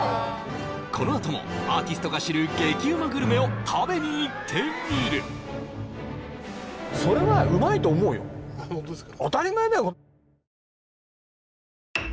このあともアーティストが知る激うまグルメを食べに行ってみるホントですか？